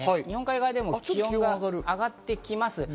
日本海側でも気温が上がってきます。